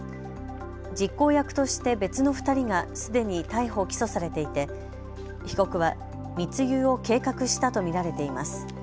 実行役として別の２人がすでに逮捕・起訴されていて被告は密輸を計画したと見られています。